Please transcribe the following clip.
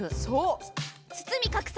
そう！